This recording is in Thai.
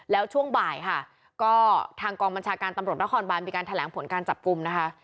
แล้วช่วงบ่ายค่ะก็ทางกองบัญชาการตำรวจนครบานมีการแถลงผลการจับกลุ่มนะคะ